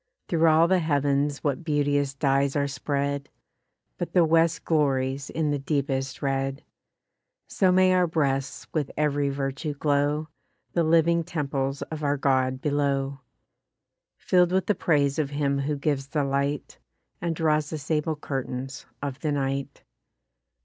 Through all the heav'ns what beauteous dyes are spread ! But the west glories in the deepest red: So may our breasts with ev'ry virtue glow, The living temples of our God below ! Fill'd with the praise of him who gives the light, And draws the sable curtains of the night.